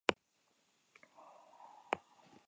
Beste bi pertsona larri zauritu dira.